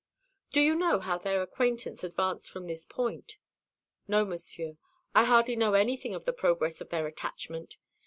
"Do you know how their acquaintance advanced from this point?" "No, Monsieur. I hardly know anything of the progress of their attachment.